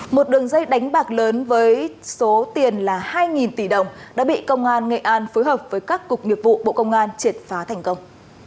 một đường dây đánh bạc lớn với số tiền là hai tỷ đồng đã bị công an nghệ an phối hợp với các cục nghiệp vụ bộ công an triệt phá thành công